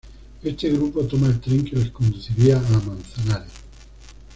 Este grupo toma el tren que les conduciría a Manzanares.